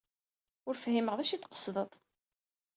Ur fhimeɣ d acu ay d-tqesdeḍ.